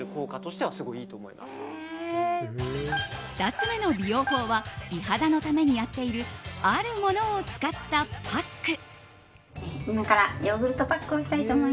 ２つ目の美容法は美肌のためにやっているあるものを使ったパック。